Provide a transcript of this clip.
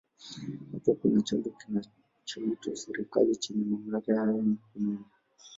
Hapo kuna chombo kinachoitwa serikali chenye mamlaka haya mkononi.